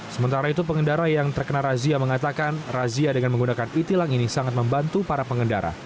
sementara itu pengendara yang terkena razia mengatakan razia dengan menggunakan e tilang ini sangat membantu para pengendara